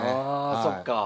あそっか。